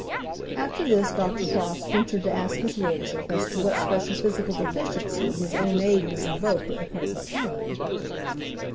After this Dr. Crofts ventured to ask his lordship as to what special physical deficiency his own aid was invoked at the present time.